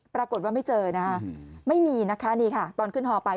ปรากฏว่าไม่เจอนะคะไม่มีนะคะนี่ค่ะตอนขึ้นฮอไป